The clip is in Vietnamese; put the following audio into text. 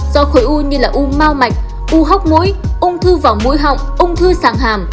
do khối u như u mau mạch u hóc mũi ung thư vào mũi họng ung thư sàng hàm